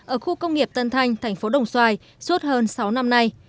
ở khu công nghiệp tân thanh thành phố đồng xoài suốt hơn sáu năm nay